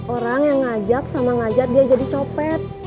orang yang ngajak sama ngajar dia jadi copet